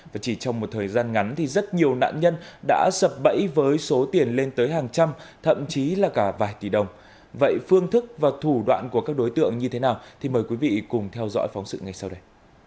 và chỉ trong một thời gian ngắn thì rất nhiều nạn nhân đã sập bẫy với số tiền lên tới hàng trăm thậm chí là cả vài tỷ đồng vậy phương thức và thủ đoạn của các đối tượng như thế nào thì mời quý vị cùng theo dõi phóng sự ngay sau đây